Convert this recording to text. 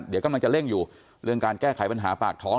เดี๋ยวกำลังจะเร่งอยู่เรื่องการแก้ไขปัญหาปากท้อง